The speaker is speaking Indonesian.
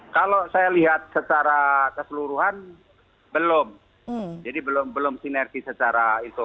kalau saya lihat secara keseluruhan belum jadi belum sinergi secara itu